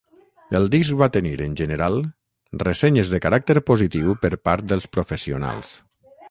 El disc va tenir, en general, ressenyes de caràcter positiu per part dels professionals.